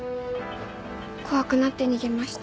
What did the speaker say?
怖くなって逃げました。